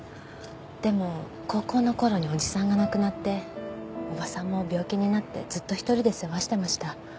でも高校の頃におじさんが亡くなっておばさんも病気になってずっと一人で世話してました。